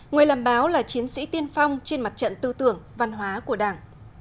người làm báo là chiến sĩ tiên phong trên mặt trận tư tưởng văn hóa của đảng